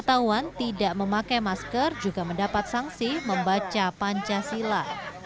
pantauan tidak memakai masker juga mendapat sanksi membaca pancasila